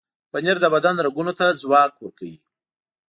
پنېر د بدن رګونو ته ځواک ورکوي.